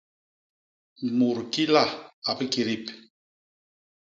Mut ki la a bikidip!